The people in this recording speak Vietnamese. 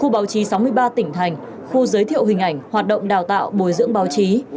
khu báo chí sáu mươi ba tỉnh thành khu giới thiệu hình ảnh hoạt động đào tạo bồi dưỡng báo chí